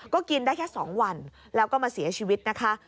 ก็กินได้แค่๒วันแล้วก็มาเสียชีวิตนะคะ